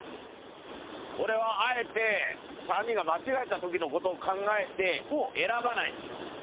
俺はあえて３人が間違えた時のことを考えて選ばないにしました。